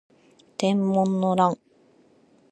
天文の乱